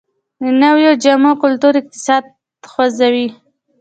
د نویو جامو کلتور اقتصاد خوځوي